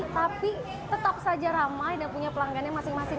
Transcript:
tapi tetap saja ramai dan punya pelanggannya masing masing